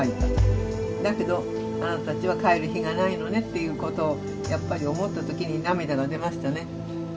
だけどあなたたちは帰る日がないのねっていうことをやっぱり思った時に涙が出ましたね。